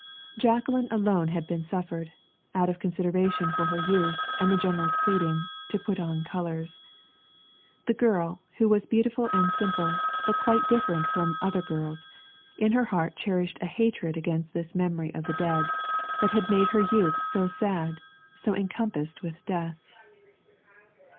Jacqueline alone had been suffered, out of consideration for her youth and the general's pleading, to put on colors. The girl, who was beautiful and simple, but quite different from other girls, in her heart cherished a hatred against this memory of the dead, that had made her youth so sad, so encompassed with death.